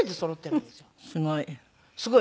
すごい。